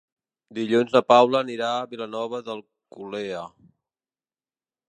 Dilluns na Paula anirà a Vilanova d'Alcolea.